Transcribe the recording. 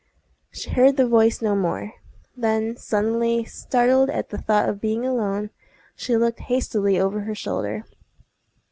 She heard the voice no more. Then, suddenly startled at the thought of being alone, she looked hastily over her shoulder.